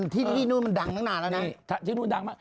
ที่นู่นมันดังนักแล้วนะ